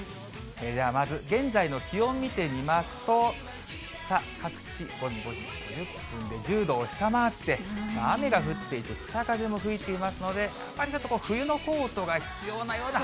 ではまず、現在の気温見てみますと、さあ、各地午前５時５０分で１０度を下回って、雨が降っていて、北風も吹いていますので、やっぱりちょっと冬のコートが必要なような。